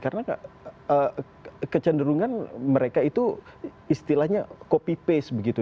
karena kecenderungan mereka itu istilahnya copy paste begitu